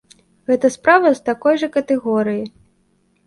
Гэта справа з такой жа катэгорыі.